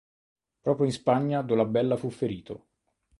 Proprio in Spagna Dolabella fu ferito.